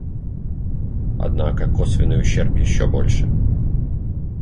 Однако косвенный ущерб еще больше.